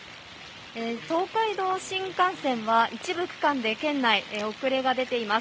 東海道新幹線は一部区間で県内遅れが出ています。